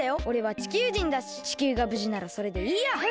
おれは地球人だし地球がぶじならそれでいいや！